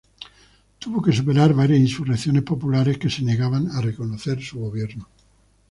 Tuvo que superar varias insurrecciones populares que se negaban a reconocer su gobierno.